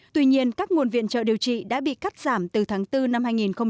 tuy nhiên các nguồn viện trợ điều trị đã bị cắt giảm từ tháng bốn năm hai nghìn một mươi chín